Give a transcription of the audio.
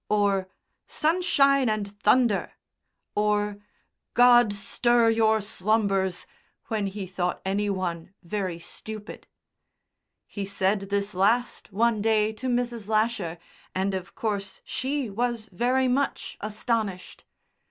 or "Sunshine and thunder!" or "God stir your slumbers!" when he thought any one very stupid. He said this last one day to Mrs. Lasher, and of course she was very much astonished.